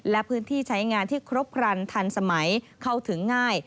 และพื้นที่ใช้งานที่ครบครันทันสมัยเข้าถึงง่าย